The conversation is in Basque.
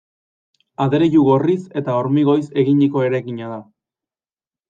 Adreilu gorriz eta hormigoiz eginiko eraikina da.